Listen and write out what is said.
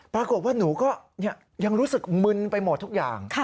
ปรากฏว่าหนูก็ยังรู้สึกมึนไปหมดทุกอย่าง